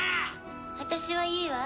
私はいいわ。